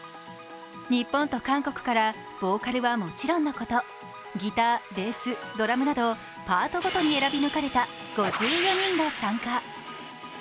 日本と韓国からボーカルはもちろんのことギター、ベース、ドラムなどパートごとに選び抜かれた５４人が参加。